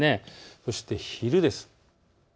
そして昼です。